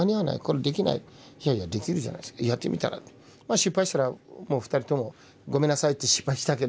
失敗したらもう２人ともごめんなさいって失敗したけど。